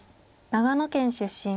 長野県出身。